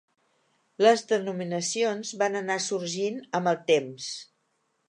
Les denominacions van anar sorgint amb el temps.